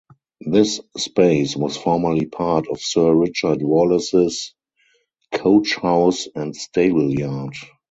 This space was formerly part of Sir Richard Wallace's coach house and stable yard.